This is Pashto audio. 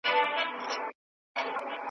د صبر کاسه درنه ده .